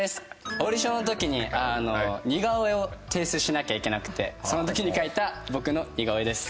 オーディションの時に似顔絵を提出しなきゃいけなくてその時に描いた僕の似顔絵です。